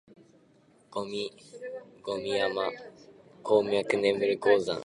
だけど、ゴミの山はただのゴミ山ではなかった、鉱脈の眠る鉱山だった